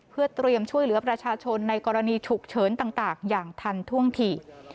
เพื่อเตรียมช่วยเหลือประชาชนในกรณีฉุกเฉินต่างอย่างทันท่วงที